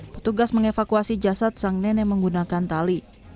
petugas mengevakuasi jasad sang nenek menggunakan tali